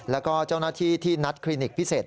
แล้วก็เจ้าหน้าที่ที่นัดคลินิกพิเศษ